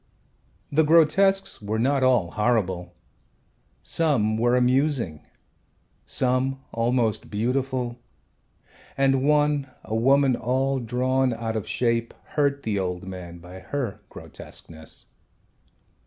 The grotesques were not all horrible. Some were amusing, some almost beautiful, and one, a woman all drawn out of shape, hurt the old man by her grotesqueness.